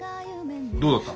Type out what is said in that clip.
どうだった？